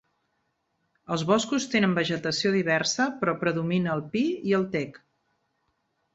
Els boscos tenen vegetació diversa però predomina el pi i el tec.